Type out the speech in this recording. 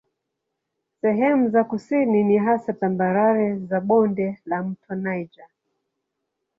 Sehemu za kusini ni hasa tambarare za bonde la mto Niger.